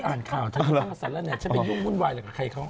เธออ่านข่าวฉันไม่ได้ภาษาแล้วเนี่ยฉันไม่ยุ่งมุ่นวายกับใครเขา